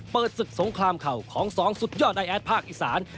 ศึกสงครามเข่าของสองสุดยอดไอแอดภาคอีสาน